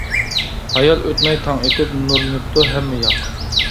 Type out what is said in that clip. ھايال ئۆتمەي تاڭ ئېتىپ، نۇرلىنىپتۇ ھەممە ياق.